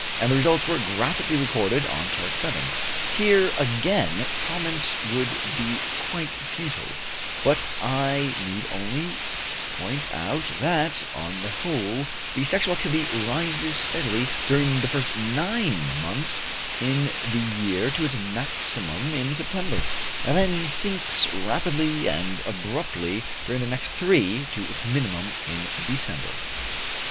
and the results are graphically recorded on Chart 7. Here, again, comment would be quite futile, but I need only point out that, on the whole, the sexual activity rises steadily during the first nine months in the year to its maximum in September, and then sinks rapidly and abruptly during the next three to its minimum in December.